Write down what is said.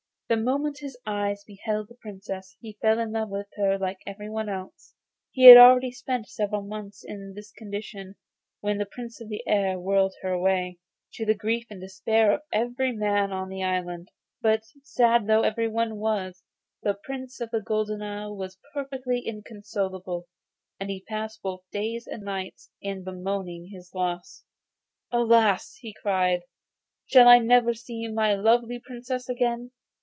The moment his eyes beheld the Princess, he fell in love with her like everyone else. He had already spent several months in this condition when the Prince of the Air whirled her away, to the grief and despair of every man on the island. But sad though everybody was, the Prince of the Golden Isle was perfectly inconsolable, and he passed both days and nights in bemoaning his loss. 'Alas!' he cried; 'shall I never see my lovely Princess again?